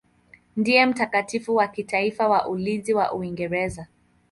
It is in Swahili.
Ndiye mtakatifu wa kitaifa wa ulinzi wa Uingereza.